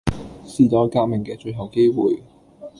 時代革命嘅最後機會